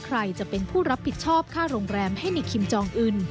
ใครจะเป็นผู้รับผิดชอบค่าโรงแรมให้ในคิมจองอื่น